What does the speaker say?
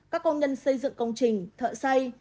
các công nhân xây dựng công trình thợ xây